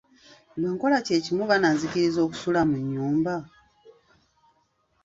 Bwenkola kyekimu banaanzikiriza okusula mu nyumba?